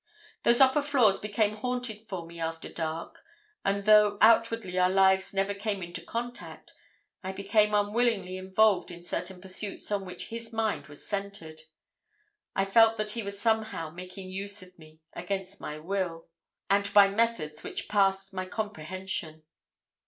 Those upper floors became haunted for me after dark, and, though outwardly our lives never came into contact, I became unwillingly involved in certain pursuits on which his mind was centred. I felt that he was somehow making use of me against my will, and by methods which passed my comprehension.